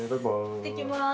いってきます。